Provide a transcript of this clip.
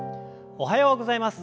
おはようございます！